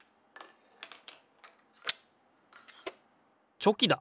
チョキだ！